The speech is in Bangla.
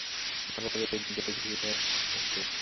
মহারাজের এই দীন বেশ দেখিয়া ইহারা এরূপ সাহসী হইয়াছে।